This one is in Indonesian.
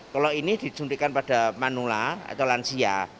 kalau ini disuntikan pada manula atau lansia